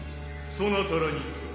そなたらに問う。